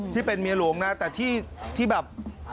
ที่เป็นเมียหลวงนะแต่ที่แบบ